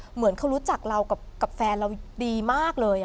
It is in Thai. เหมือนเขารู้จักเรากับแฟนเราดีมากเลย